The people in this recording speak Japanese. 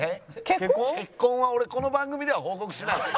結婚は俺この番組では報告しないです。